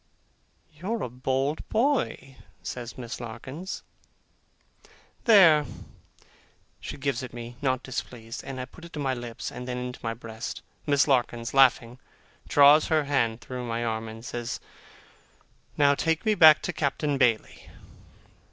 'You're a bold boy,' says Miss Larkins. 'There.' She gives it me, not displeased; and I put it to my lips, and then into my breast. Miss Larkins, laughing, draws her hand through my arm, and says, 'Now take me back to Captain Bailey.